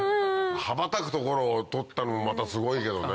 羽ばたくところを撮ったのもまたすごいけどね。